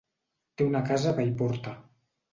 Té una casa a Paiporta.